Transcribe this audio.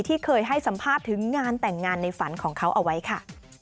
ที่เคยให้สัมภาษณ์ถึงงานแต่งงานในฝันของเขาเอาไว้ค่ะ